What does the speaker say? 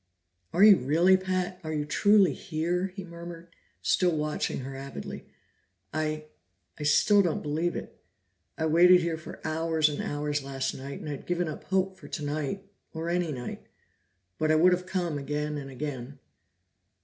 "Are you really, Pat? Are you truly here?" he murmured, still watching her avidly. "I I still don't believe it. I waited here for hours and hours last night, and I'd given up hope for tonight, or any night. But I would have come again and again."